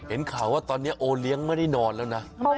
เห็นข่าวว่าตอนนี้โอเลี้ยงไม่ได้นอนแล้วนะ